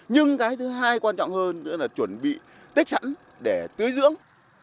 nhưng cái thứ hai quan trọng hơn nữa là chuẩn bị tích sẵn để tưới dưỡng